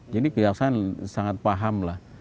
jadi kejaksaan sangat paham lah